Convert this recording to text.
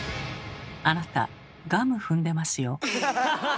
あなたガム踏んでますよ。